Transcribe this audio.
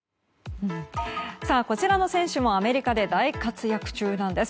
こちらの選手もアメリカで大活躍中なんです。